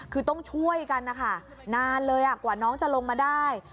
คือต้องช่วยกันนะคะนานเลยกว่าน้องจะลงมาได้